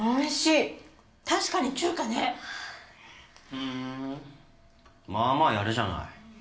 ふんまあまあやるじゃない。